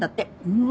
うわ。